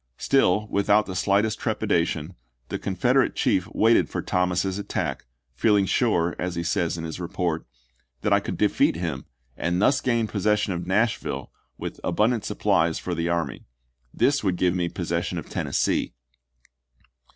Still, without the slight est trepidation, the Confederate chief waited for Thomas's attack, feeling sure, as he says in his report, "that I could defeat him and thus gain possession of Nashville with abundant supplies for Hood> the army. This would give me possession of Ten "Atndnce nessee."